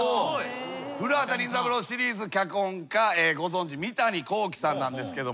『古畑任三郎』シリーズ脚本家ご存じ三谷幸喜さんなんですけども。